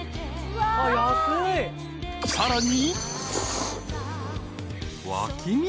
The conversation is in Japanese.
［さらに］